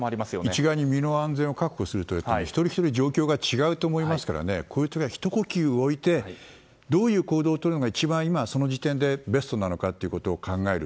一概に身の安全を確保すると言っても一人ひとり状況が違うと思いますからこういう時は、ひと呼吸置いてどういう行動をとるのが一番今その時点でベストなのかということを考える。